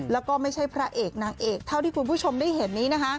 แล้วก็ไม่ใช่พระเอกนางเอกเท่าที่คุณผู้ชมได้เห็นนี้นะคะ